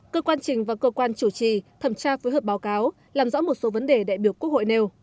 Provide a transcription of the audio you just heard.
cơ quan trình và cơ quan chủ trì thẩm tra phối hợp báo cáo làm rõ một số vấn đề đại biểu quốc hội nêu